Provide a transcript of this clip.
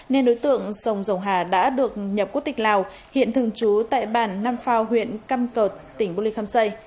nên đối tượng sông rồng hà đã được nhập quốc tịch lào hiện thường trú tại bản năm phao huyện căm cợt tỉnh bô lê khăm xây